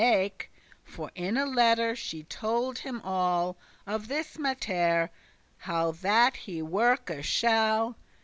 * *mate For in a letter she had told him all Of this matter, how that he worke shall.